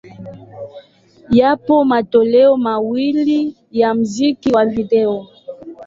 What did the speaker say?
Yapo matoleo mawili ya muziki wa video.